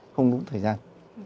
không đúng thời gian